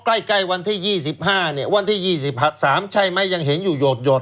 ใกล้วันที่๒๕เนี่ยวันที่๒๕๓ใช่ไหมยังเห็นอยู่หยด